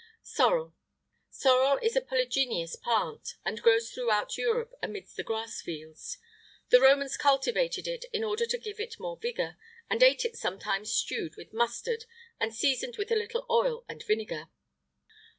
SORREL. Sorrel is a polygenous plant, and grows throughout Europe amidst the grass fields. The Romans cultivated it in order to give it more vigour,[IX 84] and ate it sometimes stewed with mustard, and seasoned with a little oil and vinegar.